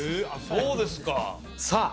そうですかさあ